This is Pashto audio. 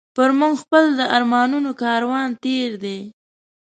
پر موږ خپل د ارمانونو کاروان تېر دی